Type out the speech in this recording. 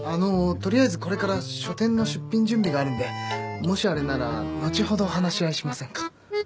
取りあえずこれから書展の出品準備があるんでもしあれなら後ほど話し合いしませんか？